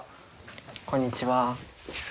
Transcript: こんにちは。